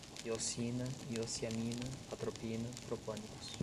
hioscina, hiosciamina, atropina, tropânicos